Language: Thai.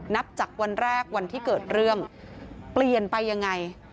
นับจากวันแรกวันที่เกิดเรื่องเปลี่ยนไปยังไง